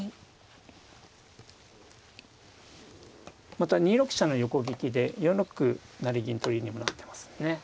また２六飛車の横利きで４六成銀取りにもなってますね。